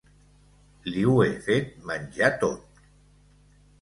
Li ho he fet menjar tot.